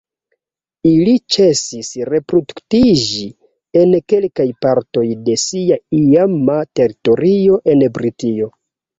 Ili ĉesis reproduktiĝi en kelkaj partoj de sia iama teritorio en Britio.